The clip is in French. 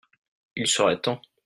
il serait temps.